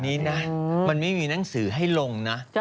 อันนี้นะมันไม่มีหนังสือให้ลงนะ